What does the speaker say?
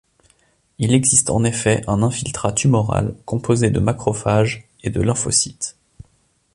Il existe en effet un infiltrat tumoral, composé de macrophages et de lymphocytes.